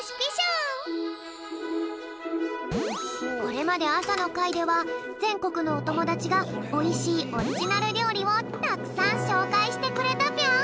これまであさのかいではぜんこくのおともだちがおいしいオリジナルりょうりをたくさんしょうかいしてくれたぴょん。